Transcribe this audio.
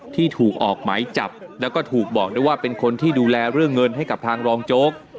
ที่ถูกออกหมายจับแล้วก็ถูกบอกด้วยว่าเป็นคนที่ดูแลเรื่องเงินให้กับทางรองโจ๊ก